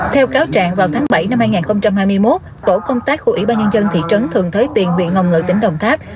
theo cáo trạng vào tháng bảy năm hai nghìn hai mươi một tổ công tác của ủy ban nhân dân thị trấn thường thới tiền nguyện hồng ngự tỉnh đồng tháp